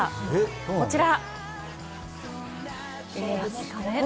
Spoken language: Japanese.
こちら！